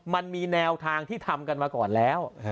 มันมีแนวทางที่ทำกันมาก่อนแล้ว